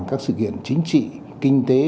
các sự kiện chính trị kinh tế